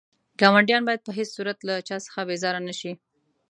ګاونډيان بايد په هيڅ صورت له چا څخه بيزاره نه شئ.